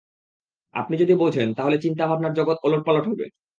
আপনি যদি বোঝেন, তাহলে চিন্তা-ভাবনার জগৎ ওলট-পালট হবে।